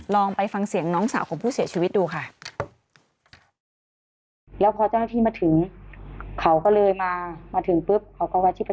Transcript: ลองไปฟังเสียงน้องสาวของผู้เสียชีวิตดูค่ะ